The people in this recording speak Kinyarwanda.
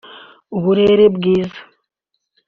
uburiri bwiza